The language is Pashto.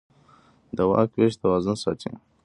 د واک وېش توازن ساتي